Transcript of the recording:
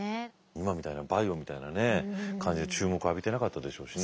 今みたいなバイオみたいな感じで注目浴びてなかったでしょうしね。